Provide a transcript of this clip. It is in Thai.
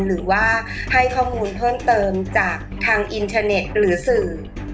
หรือว่าให้ข้อมูลเพิ่มเติมจากทางอินเทอร์เน็ตหรือสื่อ